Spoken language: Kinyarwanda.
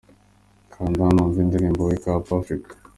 Kanda hano wumve indirimbo "Wake Up Africa".